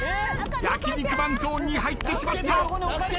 焼肉マンゾーンに入ってしまった。